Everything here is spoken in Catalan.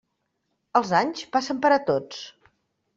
Els anys passen per a tots.